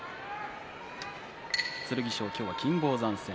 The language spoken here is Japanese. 剣翔、今日は金峰山戦。